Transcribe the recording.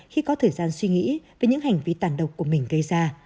khi có thời gian suy nghĩ về những hành vi tàn độc của mình gây ra